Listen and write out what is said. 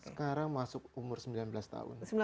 sekarang masuk umur sembilan belas tahun